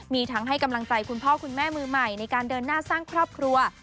มีทั้งให้กำลังใจคุณพ่อคุณแม่มือใหม่ในการเดินหน้าสร้างครอบครัว